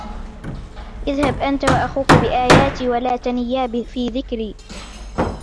اذْهَبْ أَنْتَ وَأَخُوكَ بِآيَاتِي وَلَا تَنِيَا فِي ذِكْرِي